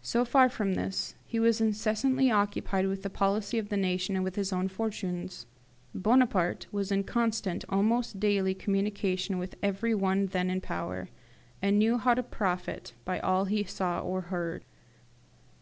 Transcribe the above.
So far from this, he was incessantly occupied with the policy of the nation, and with his own fortunes. Bonaparte was in constant, almost daily, communication with every one then in power, and knew how to profit by all he saw or heard.